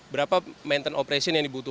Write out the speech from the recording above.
berapa maintenance operation yang dibutuhkan